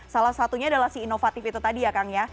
salah satunya adalah si inovatif itu tadi ya kang ya